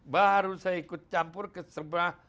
baru saya ikut campur ke sebelah